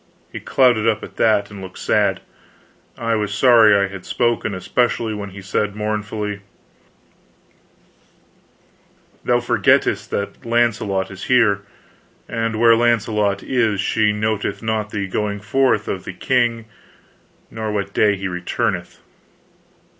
He clouded up at that and looked sad. I was sorry I had spoken, especially when he said mournfully: "Thou forgettest that Launcelot is here; and where Launcelot is, she noteth not the going forth of the king, nor what day he returneth."